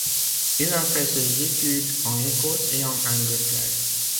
Il a fait ses études en Écosse et en Angleterre.